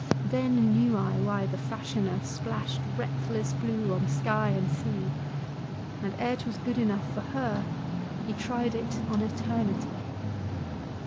Then knew I why the Fashioner Splashed reckless blue on sky and sea ; And ere 'twas good enough for her, He tried it on Eternity.